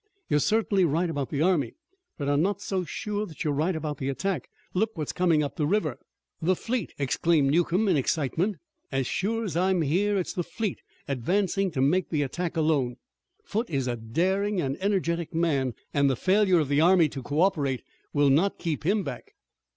"You are certainly right about the army, but I'm not so sure that you're right about the attack. Look what's coming up the river." "The fleet!" exclaimed Newcomb in excitement. "As sure as I'm here it's the fleet, advancing to make the attack alone. Foote is a daring and energetic man, and the failure of the army to co operate will not keep him back."